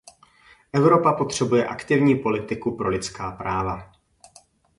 Evropa potřebuje aktivní politiku pro lidská práva.